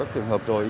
trường hợp rồi